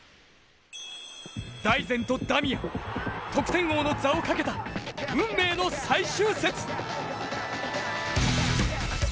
大然とダミアン、得点王の座を賭けた運命の最終節。